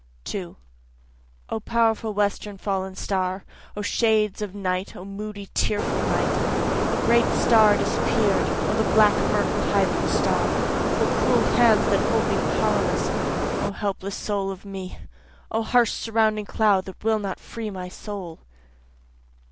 2 O powerful western fallen star! O shades of night O moody, tearful night! O great star disappear'd O the black murk that hides the star! O cruel hands that hold me powerless O helpless soul of me! O harsh surrounding cloud that will not free my soul.